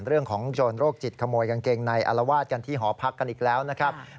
โจรโรคจิตขโมยกางเกงในอารวาสกันที่หอพักกันอีกแล้วนะครับ